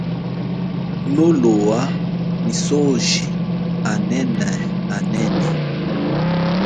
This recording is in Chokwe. Nolowa misoji anene anene.